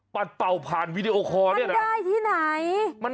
ปัดเป่าผ่านวิดีโอคอล์มันได้ที่ไหน